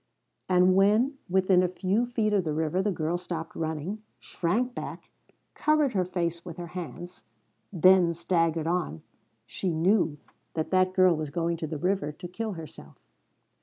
And when, within a few feet of the river the girl stopped running, shrank back, covered her face with her hands, then staggered on, she knew that that girl was going to the river to kill herself.